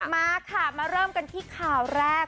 มาค่ะมาเริ่มกันที่ข่าวแรก